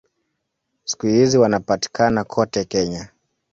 Siku hizi wanapatikana kote Kenya.